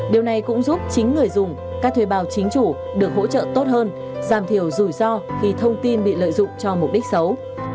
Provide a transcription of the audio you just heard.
điều này cũng giúp chính người dùng các thuê bào chính chủ được hỗ trợ tốt hơn giảm thiểu rủi ro khi thông tin bị lợi dụng cho mục đích xấu